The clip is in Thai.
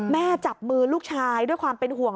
จับมือลูกชายด้วยความเป็นห่วง